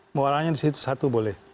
mewalanya disitu satu boleh